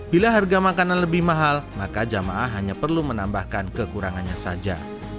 bila harga makanan lebih mahal maka jamaah hanya perlu menambahkan kekurangannya saja